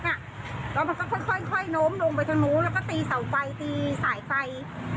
แล้วมันก็ค่อยโน้มลงไปทางนู้นแล้วก็ตีเสาไฟตีสายไฟ